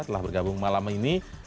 telah bergabung malam ini